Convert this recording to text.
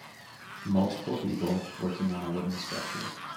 Multiple people working on a wooden structure.